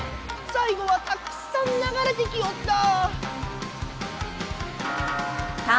さいごはたくさん流れてきおった。